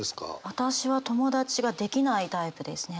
私は友達ができないタイプですね。